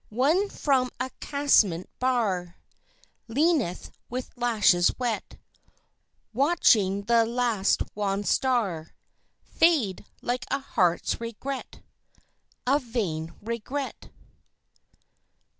One from a casement bar Leaneth with lashes wet, Watching the last wan star Fade like a heart's regret A vain regret.